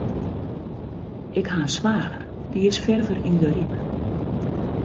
Ik ha in swager, dy is ferver yn de Ryp.